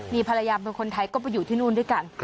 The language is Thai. มีภรรยาเป็นคนไทยก็ไปอยู่ที่นู่นด้วยกัน